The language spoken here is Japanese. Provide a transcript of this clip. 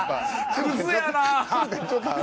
クズやな！